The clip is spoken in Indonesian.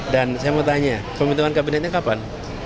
dan saya mau tanya pemintuan kabinetnya kapan